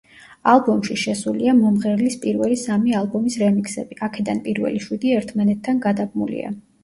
ალბომში შესულია მომღერლის პირველი სამი ალბომის რემიქსები, აქედან პირველი შვიდი ერთმანეთთან გადაბმულია.